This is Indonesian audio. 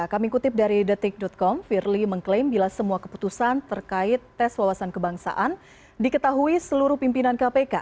kami kutip dari detik com firly mengklaim bila semua keputusan terkait tes wawasan kebangsaan diketahui seluruh pimpinan kpk